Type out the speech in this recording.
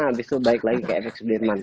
abis itu balik lagi ke fx sudirman